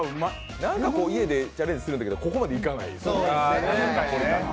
家でチャレンジするんだけど、ここまでいかないですね。